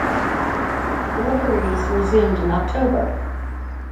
Deliveries resumed in October.